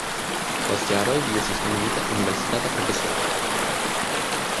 Post jaroj li estis nomumita universitata profesoro.